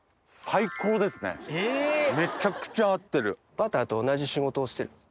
バターと同じ仕事をしてるんです。